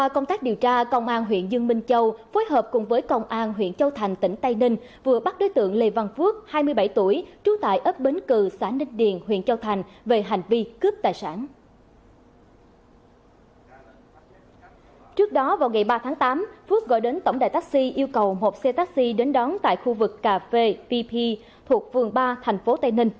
các bạn hãy đăng ký kênh để ủng hộ kênh của chúng mình nhé